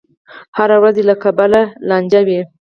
هره ورځ دې له کبله لانجه وي.